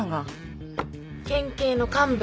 県警の幹部。